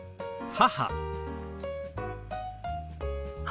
母。